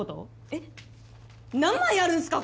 えっ何枚あるんすか？